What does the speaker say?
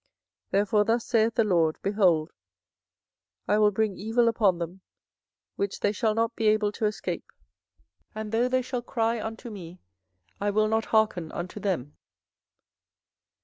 24:011:011 Therefore thus saith the LORD, Behold, I will bring evil upon them, which they shall not be able to escape; and though they shall cry unto me, I will not hearken unto them.